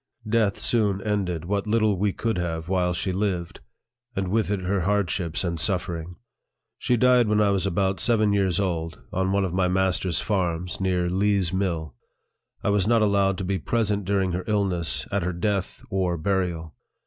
Death soon ended what little we could have while she lived, and with it her hardships and suffering. She died when I was about seven years old, on one of my master's farms, near Lee's Mill. I was not allowed to be present during her illness, at her death, or burial.